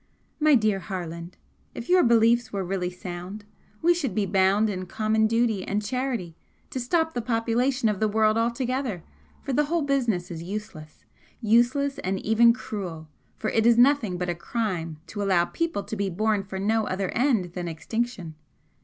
My dear Harland, if your beliefs were really sound we should be bound in common duty and charity to stop the population of the world altogether for the whole business is useless. Useless and even cruel, for it is nothing but a crime to allow people to be born for no other end than extinction!